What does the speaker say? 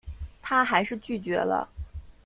她还是拒绝了